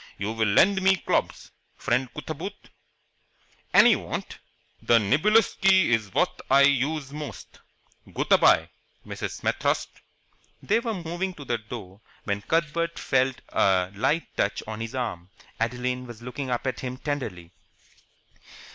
You will lend me clobs, friend Cootaboot?" "Any you want." "The niblicksky is what I use most. Goot a bye, Mrs. Smet thirst." They were moving to the door, when Cuthbert felt a light touch on his arm. Adeline was looking up at him tenderly.